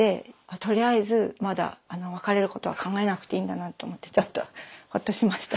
とりあえずまだ別れることは考えなくていいんだなと思ってちょっとほっとしました。